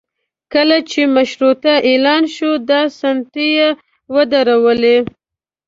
کله چې مشروطه اعلان شوه دا ستنې یې ودرولې.